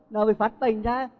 nó bị phát bệnh ra